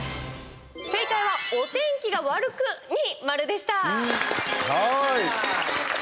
正解は「お天気が悪く」に丸でした。